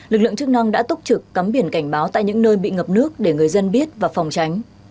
lực lượng chức năng đã túc trực cắm biển cảnh báo tại những nơi bị ngập nước để người dân biết và phòng tránh